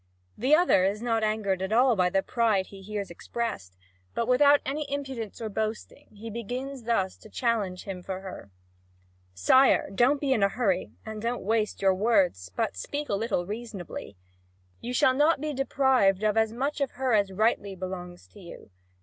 The other is not angered by all the pride he hears expressed, but without any impudence or boasting, he begins thus to challenge him for her: "Sire, don't be in a hurry, and don't waste your words, but speak a little reasonably. You shall not be deprived of as much of her as rightly belongs to you.